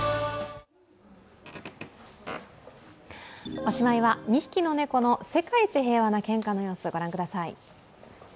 おしまいは２匹の猫の世界一平和なけんかの様子、御覧ください。